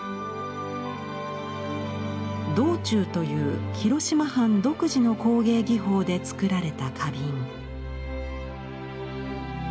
銅蟲という広島藩独自の工芸技法で作られた花瓶。